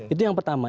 itu yang pertama